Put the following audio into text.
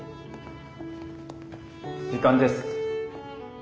時間です。